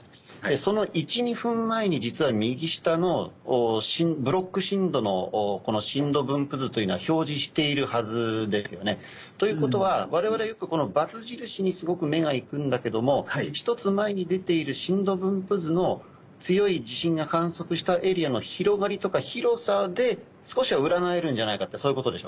その１２分前に実は右下のブロック震度の震度分布図というのは表示しているはずですよね。ということは我々はよくこの×印にすごく目が行くんだけども１つ前に出ている震度分布図の強い地震が観測したエリアの広がりとか広さで少しは占えるんじゃないかってそういうことでしょうか？